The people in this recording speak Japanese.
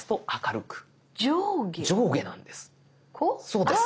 そうです。